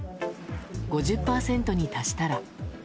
５０％に達したら。